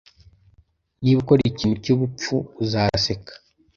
Niba ukora ikintu cyubupfu, uzaseka